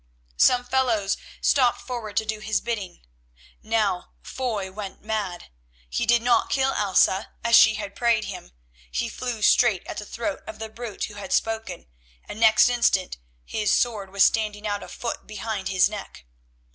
Some fellows stepped forward to do his bidding. Now Foy went mad. He did not kill Elsa as she had prayed him, he flew straight at the throat of the brute who had spoken, and next instant his sword was standing out a foot behind his neck.